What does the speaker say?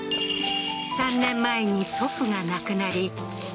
３年前に祖父が亡くなり父